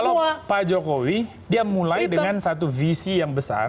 kalau pak jokowi dia mulai dengan satu visi yang besar